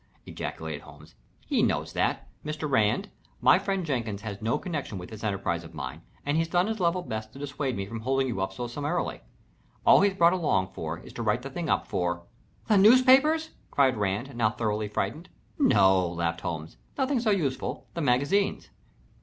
ejaculated Holmes. "He knows that. Mr. Rand, my friend Jenkins has no connection with this enterprise of mine, and he's done his level best to dissuade me from holding you up so summarily. All he's along for is to write the thing up for " "The newspapers?" cried Rand, now thoroughly frightened. "No," laughed Holmes. "Nothing so useful the magazines."